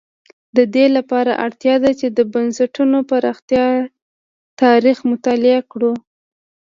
د دې لپاره اړتیا ده چې د بنسټونو پراختیا تاریخ مطالعه کړو.